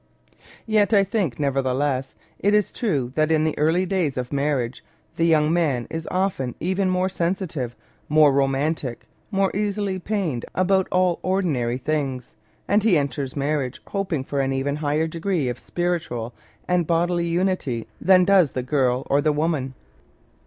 Yet I think, nevertheless, it is true that in the early days of marriage the young man is often even more sensitive, more romantic, more easily pained about all ordinary things, and he enters marriage hoping for an even higher degree of spiritual and bodily unity than does the girl or the woman.